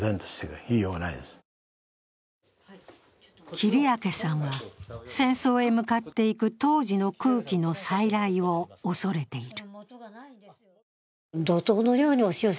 切明さんは、戦争へ向かっていく当時の空気の再来を恐れている。